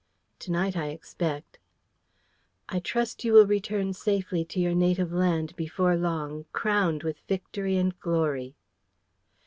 "To night, I expect." "I trust you will return safely to your native land before long, crowned with victory and glory."